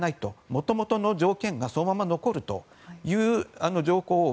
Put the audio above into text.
元々の条件がそのまま残るという条項を